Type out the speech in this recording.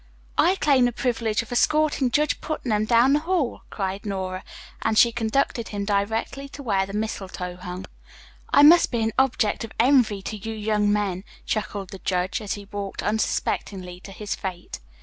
"I claim the privilege of escorting Judge Putnam down the hall," cried Nora, and she conducted him directly to where the mistletoe hung. "I must be an object of envy to you young men," chuckled the judge, as he walked unsuspectingly to his fate.